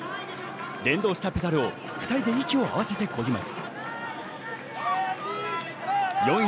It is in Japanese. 連動したペダルを２人で息を合わせてこぎます。